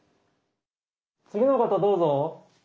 次の方どうぞ。